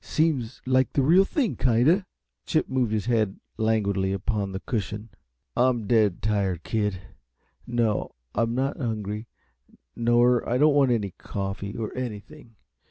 It seems like the reel thing, kinda." Chip moved his head languidly upon the cushion. "I'm dead tired, kid. No, I'm not hungry, nor I don't want any coffee, or anything.